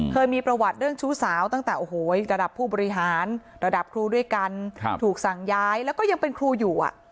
เคยมีประวัติเรื่องชู้สาวตั้งแต่โอ้โหระดับผู้บริหารระดับครูด้วยกันถูกสั่งย้ายแล้วก็ยังเป็นครูอยู่